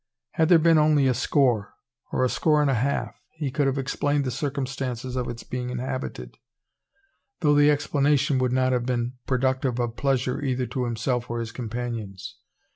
Had there been only a score, or a score and a half, he could have explained the circumstance of its being inhabited; though the explanation would not have been productive of pleasure either to himself or his companions.